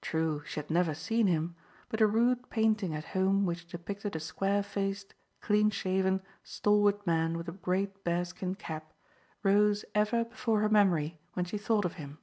True, she had never seen him, but a rude painting at home which depicted a square faced, clean shaven, stalwart man with a great bearskin cap, rose ever before her memory when she thought of him.